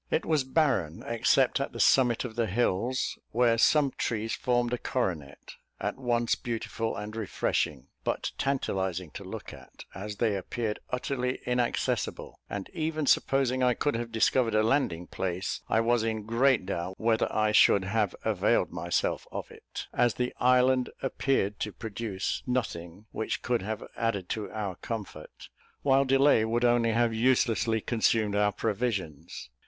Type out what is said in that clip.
It was barren, except at the summit of the hills, where some trees formed a coronet, at once beautiful and refreshing, but tantalising to look at, as they appeared utterly inaccessible; and even supposing I could have discovered a landing place, I was in great doubt whether I should have availed myself of it, as the island appeared to produce nothing which could have added to our comfort, while delay would only have uselessly consumed our provisions.